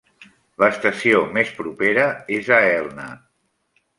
L'estació més propera és a Elna.